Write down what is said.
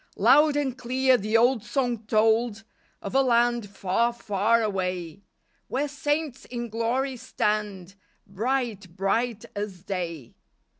Loud and clear the old song told Of a land "far, far away" "Where saints in glory stand" "Bright, bright as day."